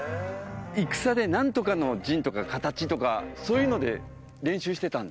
戦で何とかの陣とか形とかそういうので練習してたんだ。